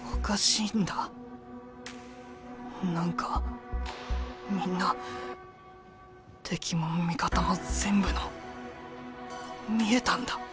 何かみんな敵も味方も全部の見えたんだ。